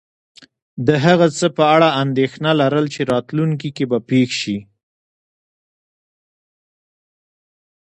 د هغه څه په اړه انېښنه لرل چی راتلونکي کې به پیښ شې